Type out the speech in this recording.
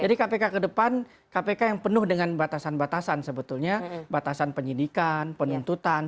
jadi kpk kedepan kpk yang penuh dengan batasan batasan sebetulnya batasan penyidikan penuntutan